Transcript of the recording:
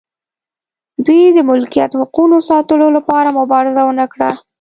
دوی د ملکیت حقونو ساتلو لپاره مبارزه ونه کړه.